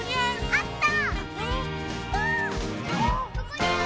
あった！